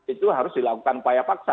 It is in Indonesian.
itu harus dilakukan upaya paksa